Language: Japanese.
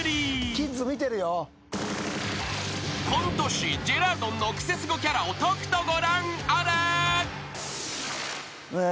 ［コント師ジェラードンのクセスゴキャラをとくとご覧あれ］えっ！？